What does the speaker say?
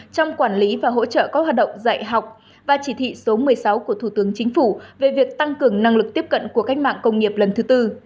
trong quản lý và hỗ trợ các hoạt động dạy học và chỉ thị số một mươi sáu của thủ tướng chính phủ về việc tăng cường năng lực tiếp cận của cách mạng công nghiệp lần thứ tư